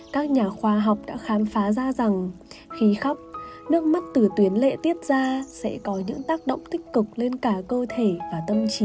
các nhà khoa học đã khám phá ra rằng khí khóc nước mắt từ tuyến lệ tiết ra sẽ có những tác động tích cực lên cả cơ thể và tâm trí